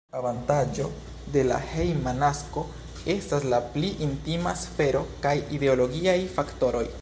Avantaĝo de la hejma nasko estas la pli intima sfero kaj ideologiaj faktoroj.